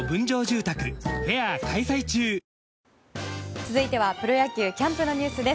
続いてはプロ野球キャンプのニュースです。